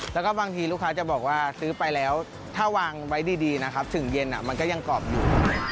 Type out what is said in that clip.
แล้วก็บางทีลูกค้าจะบอกว่าซื้อไปแล้วถ้าวางไว้ดีนะครับถึงเย็นมันก็ยังกรอบอยู่